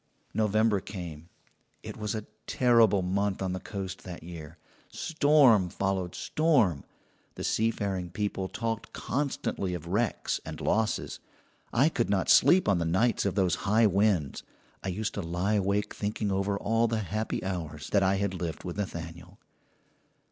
"November came. It was a terrible month on the coast that year. Storm followed storm; the sea faring people talked constantly of wrecks and losses. I could not sleep on the nights of those high winds. I used to lie awake thinking over all the happy hours that I had lived with Nathaniel.